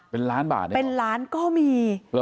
เป็นล้านบาทนะเป็นล้านก็มี